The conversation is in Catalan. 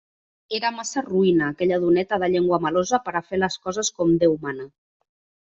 Era massa roïna aquella doneta de llengua melosa per a fer les coses com Déu mana.